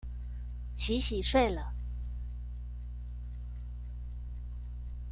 洗洗睡了